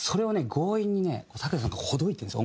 強引にねＴＡＫＵＹＡ∞さんがほどいてるんです